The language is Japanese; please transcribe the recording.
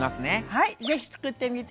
はい。